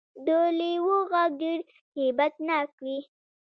د لیوه غږ ډیر هیبت ناک وي